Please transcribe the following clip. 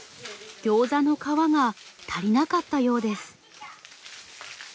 ギョーザの皮が足りなかったようです。